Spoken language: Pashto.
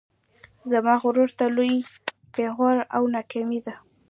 زما غرور ته لوی پیغور او ناکامي ده